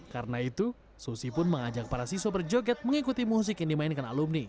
karena itu susi pun mengajak para siswa berjoget mengikuti musik yang dimainkan alumni